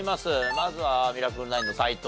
まずはミラクル９の斎藤さん。